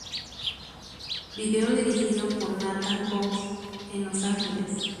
Video dirigido por Nathan Cox en Los Ángeles.